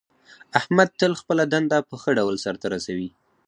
احمد تل خپله دنده په ښه ډول سرته رسوي.